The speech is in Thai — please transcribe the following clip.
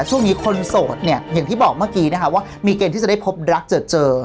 ช่วงนี้คนโสดเนี่ยอย่างที่บอกเมื่อกี้นะคะว่ามีเกณฑ์ที่จะได้พบรักเจอ